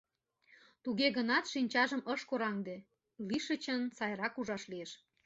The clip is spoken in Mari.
Туге гынат шинчажым ыш кораҥде: лишычын сайрак ужаш лиеш.